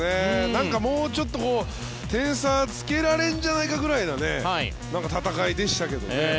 なんか、もうちょっと点差つけられるんじゃないかくらいな戦いでしたけどね。